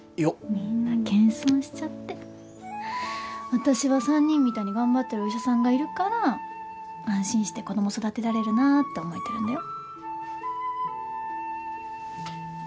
私は３人みたいに頑張ってるお医者さんがいるから安心して子供育てられるなって思えてるんだよ。